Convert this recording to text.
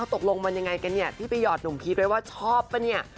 ตกลงมันยังไงกันเนี่ยพี่ไปหอดหนุ่มพีชไว้ว่าชอบป่ะเนี่ย